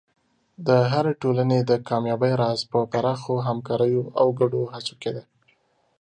د هرې ټولنې د کامیابۍ راز په پراخو همکاریو او ګډو هڅو کې دی.